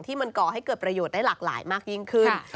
ที่มันก่อให้เกิดประโยชน์ได้หลากหลายมากยิ่งขึ้น